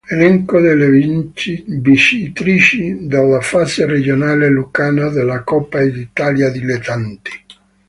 Elenco delle vincitrici della fase regionale lucana della Coppa Italia Dilettanti.